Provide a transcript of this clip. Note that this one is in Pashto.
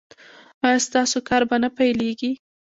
ایا ستاسو کار به نه پیلیږي؟